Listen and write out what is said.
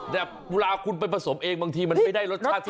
แต่เวลาคุณไปผสมเองบางทีมันไม่ได้รสชาติที่